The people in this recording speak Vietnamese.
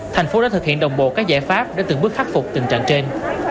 thành phố đã thực hiện đồng bộ các giải pháp để từng bước khắc phục tình trạng trên